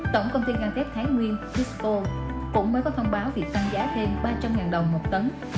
tổng công ty găng thép thái nguyên tisco cũng mới có thông báo việc tăng giá thêm ba trăm linh đồng một tấn